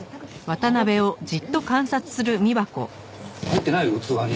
入ってない器に。